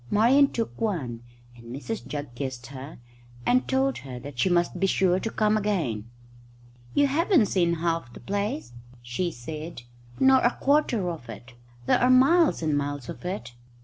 Marian took one, and Mrs Jugg kissed her and told her that she must be sure to come again. "You haven't seen half the place," she said, "nor a quarter of it. There are miles and miles of it.